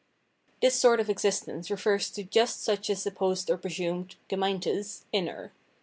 This sort of existence refers to just such a supposed or presumed (gemeintes) inner.